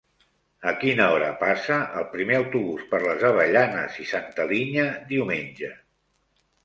A quina hora passa el primer autobús per les Avellanes i Santa Linya diumenge?